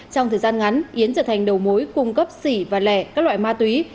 trong thời gian ngắn yến trở thành đầu mối cung cấp xỉ và lẻ các loại ma túy